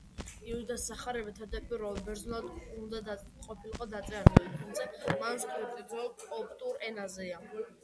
იუდას სახარება თავდაპირველად ბერძნულად უნდა ყოფილიყო დაწერილი, თუმცა მანუსკრიპტი ძველ კოპტურ ენაზეა.